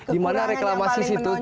dimana reklamasi itu